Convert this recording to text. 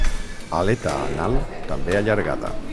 Aleta anal també allargada.